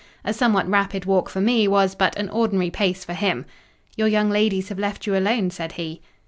A somewhat rapid walk for me was but an ordinary pace for him. "Your young ladies have left you alone," said he.